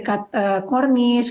kemudian di dekat fan festival di aldo